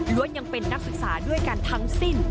ยังเป็นนักศึกษาด้วยกันทั้งสิ้น